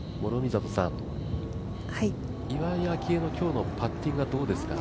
岩井明愛の今日のパッティングはどうですかね？